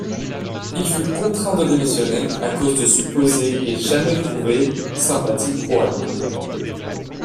Il fut contraint de démissionner à cause de supposées et jamais prouvées sympathies pro-allemandes.